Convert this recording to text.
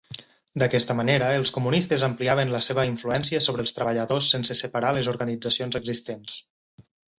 D'aquesta manera, els comunistes ampliaven la seva influència sobre els treballadors sense separar les organitzacions existents.